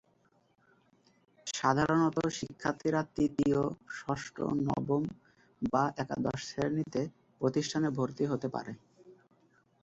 সাধারণত শিক্ষার্থীরা তৃতীয়, ষষ্ঠ, নবম বা একাদশ শ্রেণিতে প্রতিষ্ঠানে ভর্তি হতে পারে।